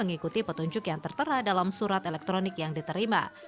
dan juga mengikuti petunjuk yang tertera dalam surat elektronik yang diterima